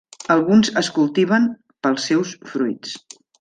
Alguns es cultiven pels seus fruits.